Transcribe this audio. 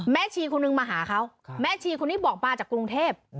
ชีคนนึงมาหาเขาแม่ชีคนนี้บอกมาจากกรุงเทพ